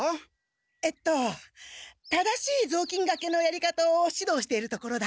えっと正しいぞうきんがけのやり方をしどうしているところだ。